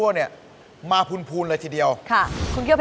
เหนื่อยค่ะ